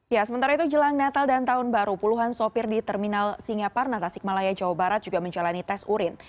ya sementara itu jelang natal dan tahun baru puluhan sopir di terminal singaparna tasikmalaya jawa barat juga menjalani tes urin